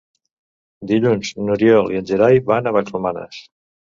Dilluns n'Oriol i en Gerai van a Vallromanes.